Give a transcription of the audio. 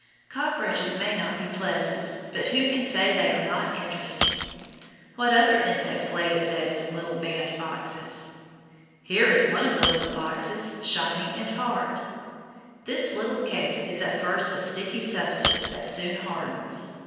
Cockroaches may not be pleasant, but who can say they are not interesting? What other insect lays its eggs in little bandboxes? Here is one of the little boxes, shiny and hard. This little case is at first a sticky substance that soon hardens.